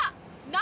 何？